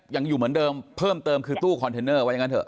ยังอยู่เหมือนเดิมเพิ่มเติมคือตู้คอนเทนเนอร์ว่าอย่างนั้นเถ